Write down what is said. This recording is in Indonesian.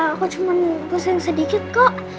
aku cuma pusing sedikit kok